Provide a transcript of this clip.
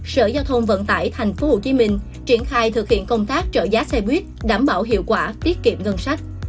sở giao thông vận tải tp hcm triển khai thực hiện công tác trợ giá xe buýt đảm bảo hiệu quả tiết kiệm ngân sách